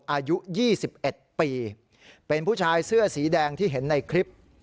อายุยี่สิบเอ็ดปีผู้ชายเสื้อสีแดงที่เห็นในคลิป